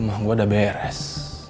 rumah gue sudah beres